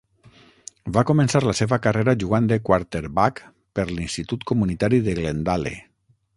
Va començar la seva carrera jugant de quarterback per l'Institut Comunitari de Glendale.